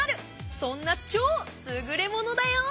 そんな超すぐれものだよ。